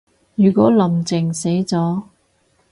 如果林鄭死咗